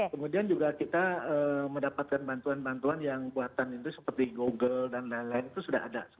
kemudian juga kita mendapatkan bantuan bantuan yang semakin kuat seperti google dan segala lain itu sedang ada